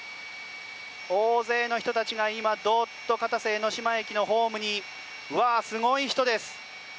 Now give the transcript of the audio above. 大勢の人たちが今、ドッと片瀬江ノ島駅のホームにうわあ、すごい人です。